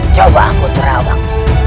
coba aku terawak